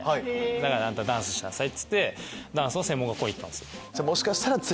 だからダンスしなさいっつってダンスの専門学校に行ったんです。